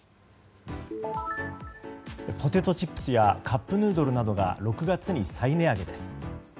ポテトチップスやカップヌードルなどが６月に再値上げです。